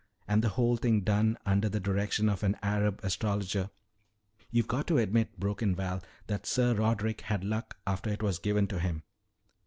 And the whole thing done under the direction of an Arab astrologer." "You've got to admit," broke in Val, "that Sir Roderick had luck after it was given to him.